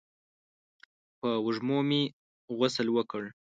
په وږمو مې غسل وکړ